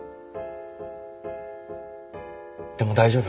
でも大丈夫。